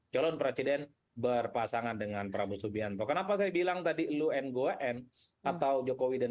colon presiden berpasangan dengan prabowo subianto kenapa saya bilang tadi lu ngo n atau jokowi dan